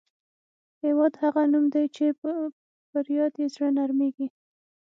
هېواد هغه نوم دی چې پر یاد یې زړه نرميږي.